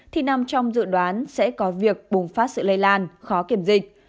thì nằm trong dự đoán sẽ có việc bùng phát sự lây lan khó kiểm dịch